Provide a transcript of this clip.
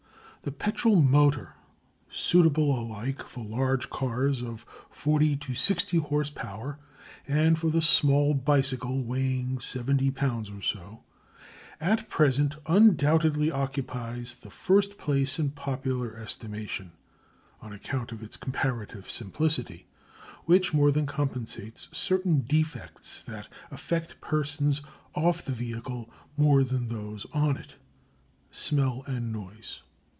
_ The petrol motor, suitable alike for large cars of 40 to 60 horse power and for the small bicycle weighing 70 lbs. or so, at present undoubtedly occupies the first place in popular estimation on account of its comparative simplicity, which more than compensates certain defects that affect persons off the vehicle more than those on it smell and noise.